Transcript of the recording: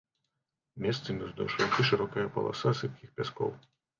Месцамі ўздоўж ракі шырокая паласа сыпкіх пяскоў.